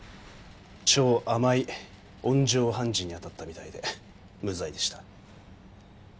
超甘い温情判事に当たったみたいで無罪でした。